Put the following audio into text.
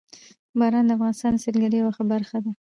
باران د افغانستان د سیلګرۍ یوه ښه برخه ده.